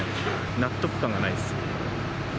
納得感がないです。